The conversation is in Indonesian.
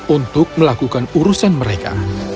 untuk melakukan urusan mereka